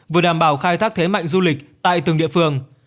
vừa đảm bảo khai thác thế mạnh du lịch tại từng địa phương